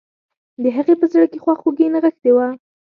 د هغې په زړه کې خواخوږي نغښتي وه